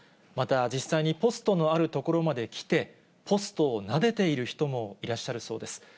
また、実際にポストのある所まで来て、ポストをなでている人もいらっしゃるそうです。